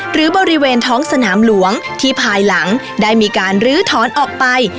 หรือบริเวณท้องสนามหลวงที่ภายหลังได้มีการลื้อถอนออกไป